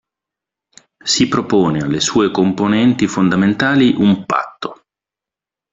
Si propone alle sue componenti fondamentali un "patto".